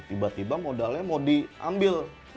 tiba tiba modalnya mau diambil